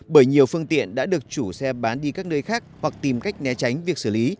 bởi nhiều phương tiện đã được chủ xe bán đi các nơi khác hoặc tìm cách né tránh việc xử lý